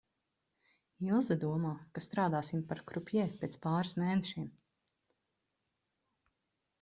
Ilze domā, ka strādāsim par krupjē pēc pāris mēnešiem.